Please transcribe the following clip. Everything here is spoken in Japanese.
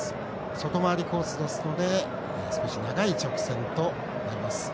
外回りコースですので少し長い直線となります。